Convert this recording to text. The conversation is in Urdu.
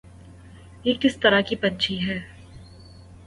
یہ کس طرح کی پنچھی ہے